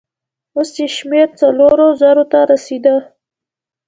اوس يې شمېر څلورو زرو ته رسېده.